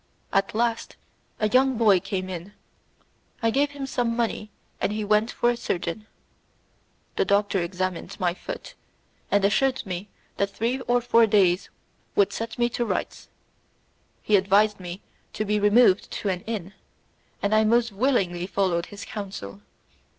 At last a young boy came in, I gave him some money and he went for a surgeon. The doctor examined my foot, and assured me that three or four days would set me to rights. He advised me to be removed to an inn, and I most willingly followed his counsel.